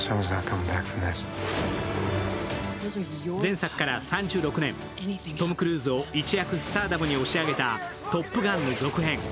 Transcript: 前作から３６年、トム・クルーズを一躍スターダムに押し上げた「トップガン」の続編。